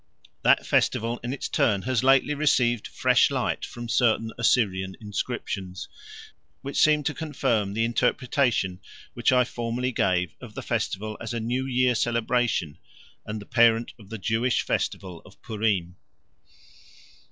That festival in its turn has lately received fresh light from certain Assyrian inscriptions, which seem to confirm the interpretation which I formerly gave of the festival as a New Year celebration and the parent of the Jewish festival of Purim.